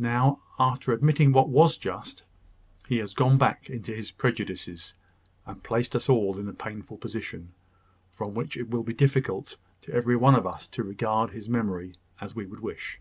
Now, after admitting what was just, he has gone back into his prejudices, and placed us all in a painful position, from which it will be difficult to every one of us to regard his memory as we should wish."